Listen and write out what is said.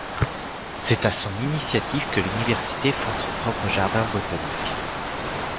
C'est à son initiative que l'université fonde son propre jardin botanique.